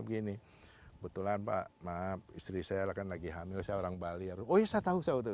begini betulan pak maaf istri saya kan lagi hamil saya orang bali harus oh iya saya tahu saya udah